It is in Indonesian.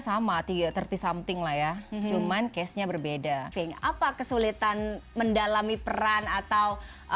sama tiga tiga puluh something lah ya cuman case nya berbeda apa kesulitan mendalami peran atau